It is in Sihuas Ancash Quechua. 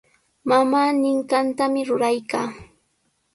Mamaa ninqantami ruraykaa.